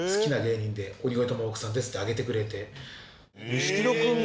錦戸君が。